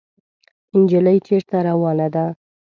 انجلۍ چېرته روانه ده ؟